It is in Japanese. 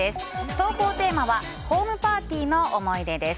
投稿テーマはホームパーティーの思い出です。